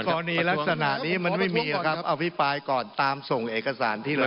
ในตอนนี้ลักษณะนี้มันไม่มีนะครับเอาอภิปรายก่อนตามส่งเอกสารที่หลัง